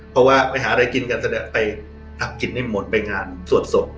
เพราะว่าไปหาอะไรกินกันแสดงไปทำกิจนิมนต์ไปงานสวดศพ